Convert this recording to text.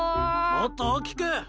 もっと大きく。